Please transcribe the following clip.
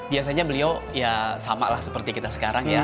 biasanya beliau ya samalah seperti kita sekarang ya